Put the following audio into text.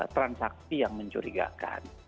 transaksi yang mencurigakan